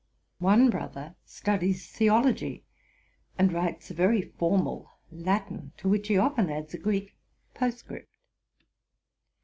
One brother studies theology, and writes a very formal Latin, to which he often adds a Greek postscript.